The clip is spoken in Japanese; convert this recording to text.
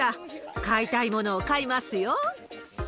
買いたいものを買いますよ。